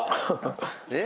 えっ？